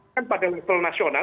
kan pada level nasional